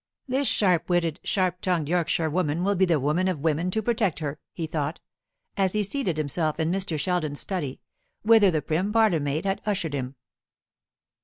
"This sharp witted, sharp tongued Yorkshirewoman will be the woman of women to protect her," he thought, as he seated himself in Mr. Sheldon's study, whither the prim parlour maid had ushered him.